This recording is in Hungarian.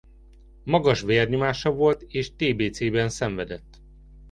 Magas vérnyomása volt és tbc-ben szenvedett.